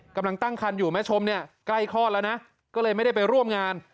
กำลังตั้งคันอยู่แม่ชมเนี่ยใกล้คลอดแล้วนะก็เลยไม่ได้ไปร่วมงาน